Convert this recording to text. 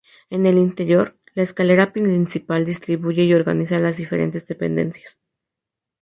En el interior, la escalera principal distribuye y organiza las diferentes dependencias.